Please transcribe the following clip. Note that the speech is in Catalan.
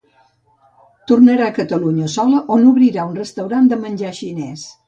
Tornarà a Catalunya sola on obrirà un restaurant de menjar xinès.